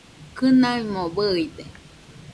Kɨnaimo bɨide